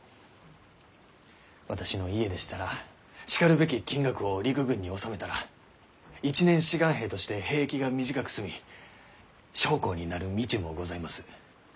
私の家でしたらしかるべき金額を陸軍に納めたら一年志願兵として兵役が短く済み将校になる道もございます。